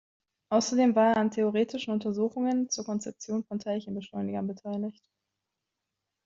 Außerdem war er an theoretischen Untersuchungen zur Konzeption von Teilchenbeschleunigern beteiligt.